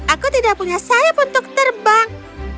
aku tidak punya sayap untuk terbang